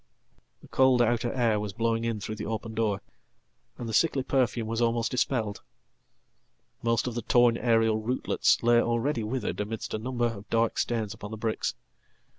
The cold outer air was blowing in through the open door, and the sicklyperfume was almost dispelled. Most of the torn aerial rootlets lay alreadywithered amidst a number of dark stains upon the bricks.